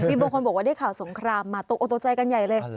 มีบางคนบอกว่าได้ข่าวสงครามมาตกออกตกใจกันใหญ่เลย